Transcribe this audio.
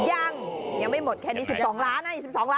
อ๋ออ้าวยังไม่หมดแค่มี๑๒ล้านนะ